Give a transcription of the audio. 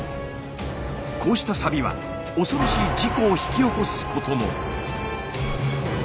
こうしたサビは恐ろしい事故を引き起こすことも。